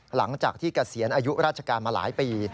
หลังจากที่เกษียณอายุราชการมาหลายปี